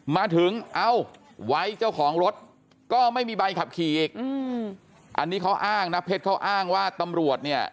มาถึงเอ้าไว้เจ้าของรถก็ไม่มีใบขับขี่อีกอันนี้เขาอ้างนะเพชรเขาอ้างว่าตำรวจเนี่ย